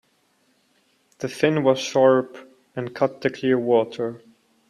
The fin was sharp and cut the clear water.